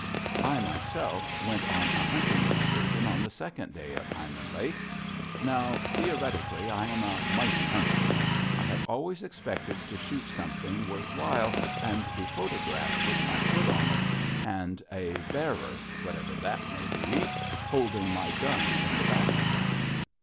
I myself went on a hunting excursion on the second day at Lyman Lake. Now, theoretically, I am a mighty hunter. I have always expected to shoot something worth while and be photographed with my foot on it, and a "bearer" whatever that may be holding my gun in the background.